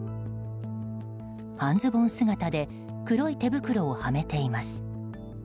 半ズボン姿で黒い手袋をはめています。